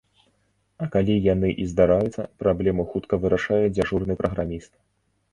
А калі яны і здараюцца, праблему хутка вырашае дзяжурны праграміст.